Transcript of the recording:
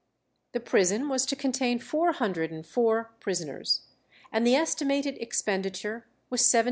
The prison was to contain four hundred and four prisoners, and the estimated expenditure was £79,000.